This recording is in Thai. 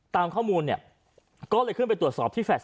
ตามข้อมูลเนี่ยก็เลยขึ้นไปตรวจสอบที่แฟลต